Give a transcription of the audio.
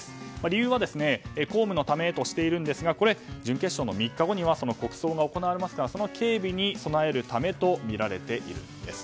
理由は公務のためとしているんですがこれ、準決勝の３日後には国葬が行われますからその警備に備えるためとみられています。